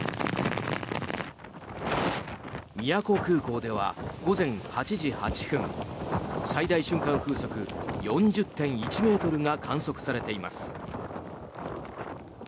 宮古空港では、午前８時８分最大瞬間風速４０．１ｍが観測されています。